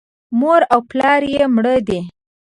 مور او پلار یې مړه دي .